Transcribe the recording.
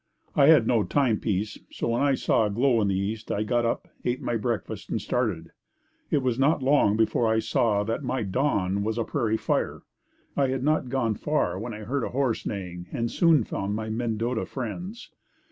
I had no timepiece, so when I saw a glow in the east, I got up, ate my breakfast and started. It was not long before I saw that my dawn was a prairie fire. I had not gone far when I heard a horse neighing and soon found my Mendota friends.